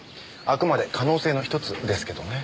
あくまで可能性の１つですけどね。